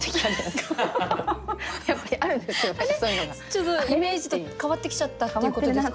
ちょっとイメージと変わってきちゃったっていうことですか？